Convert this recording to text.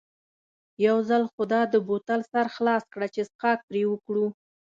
یو ځل خو دا د بوتل سر خلاص کړه چې څښاک پرې وکړو.